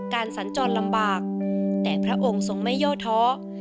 การสัญจรรย์ลำบากแต่พระองค์ทรงไม่โยเทา